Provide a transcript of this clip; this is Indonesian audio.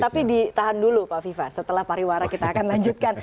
tapi ditahan dulu pak viva setelah pariwara kita akan lanjutkan